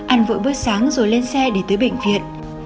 ăn vội bữa sáng rồi lên xe để tới bệnh viện